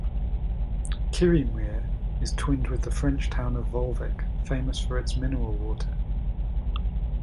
Kirriemuir is twinned with the French town of Volvic, famous for its mineral water.